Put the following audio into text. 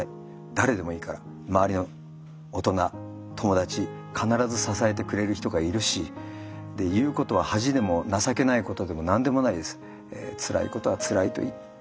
誰でもいいから周りの大人友達必ず支えてくれる人がいるし言うことは恥でも情けないことでも何でもないです。